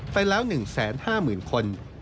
ไปแล้ว๑๕๐๐๐คน